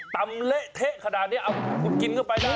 ตำเละเทะขนาดนี้เอาคุณกินเข้าไปแล้ว